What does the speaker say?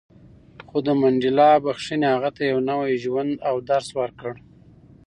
خو د منډېلا بښنې هغه ته یو نوی ژوند او درس ورکړ.